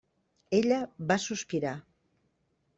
Ella va sospirar.